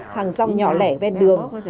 hàng rong nhỏ lẻ ven đường